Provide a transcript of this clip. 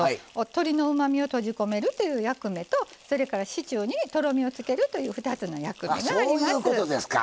鶏のうまみを閉じ込めるという役割とそれからシチューにとろみをつけるっていう２つの役目があります。